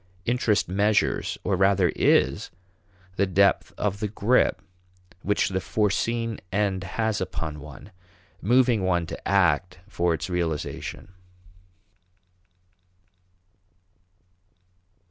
Interest measures or rather is the depth of the grip which the foreseen end has upon one, moving one to act for its realization.